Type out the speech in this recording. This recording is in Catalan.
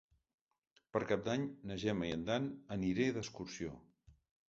Per Cap d'Any na Gemma i en Dan aniré d'excursió.